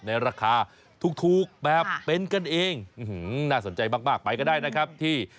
ราคาถูกแบบเป็นกันเองน่าสนใจมากไปก็ได้นะครับที่